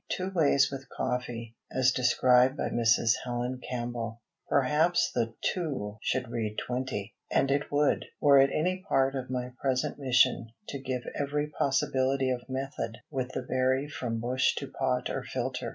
Two Ways with Coffee, as Described by Mrs. Helen Campbell. PERHAPS the two should read twenty, and it would, were it any part of my present mission to give every possibility of method with the berry from bush to pot or filter.